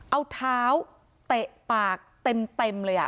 เอาเท้าเตะปากเต็มเลย